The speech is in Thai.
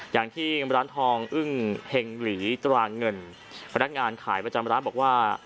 อย่างที่ร้านทองอึ้งเฮงหลีตราเงินพนักงานขายประจำร้านบอกว่า